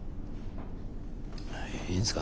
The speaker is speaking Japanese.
いいんすか？